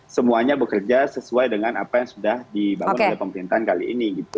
semuanya bekerja sesuai dengan apa yang sudah dibangun oleh pemerintahan kali ini